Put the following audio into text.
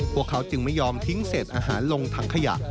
พวกเขาจึงไม่ยอมทิ้งเศษอาหารลงถังขยะ